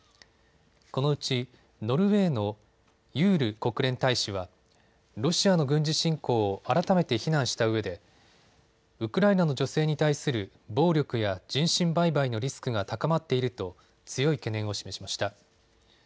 このうちノルウェーのユール国連大使はロシアの軍事侵攻を改めて非難したうえでウクライナの女性に対する暴力や人身売買のリスクが高まっていると強い懸念を示しました。